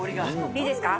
いいですか？